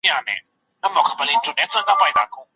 که دنده وي نو مسؤلیت نه هېریږي.